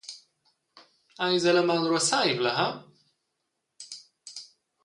Eis ella malruasseivla, ha?